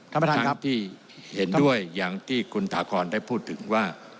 ท่านประธานครับที่เห็นด้วยอย่างที่คุณถาคอนได้พูดถึงว่า